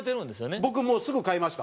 僕、もう、すぐ買いました